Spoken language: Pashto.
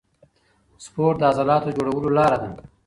سپورت د عضلاتو جوړولو لاره ده.